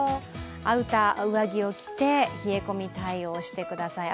アウター、上着を着て冷え込み、対応してください。